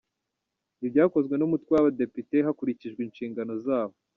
Ibyakozwe n’umutwe w’abadepite hakurikijwe inshingano zawo.